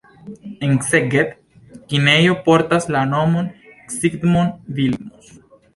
En Szeged kinejo portas la nomon Zsigmond Vilmos.